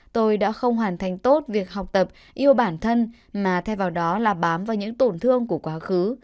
tôi đã không hoàn thành tốt việc học tập yêu bản thân mà thay vào đó là bám vào những tổn thương của quá khứ